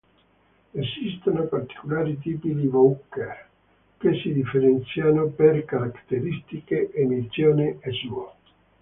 Esistono particolari tipi di voucher che si differenziano per caratteristiche, emissione e uso.